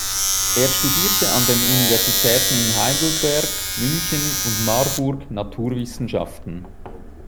Er studierte an den Universitäten in Heidelberg, München und Marburg Naturwissenschaften.